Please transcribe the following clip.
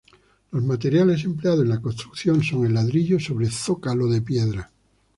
Los materiales empleados en la construcción son el ladrillo sobre zócalo de piedra.